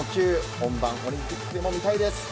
本番オリンピックでも見たいです。